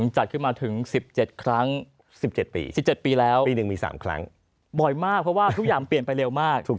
จัดขึ้นมาถึง๑๗ครั้ง๑๗ปี๑๗ปีแล้วปีหนึ่งมี๓ครั้งบ่อยมากเพราะว่าทุกอย่างเปลี่ยนไปเร็วมาก